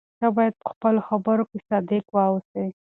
ته باید په خپلو خبرو کې صادق واوسې.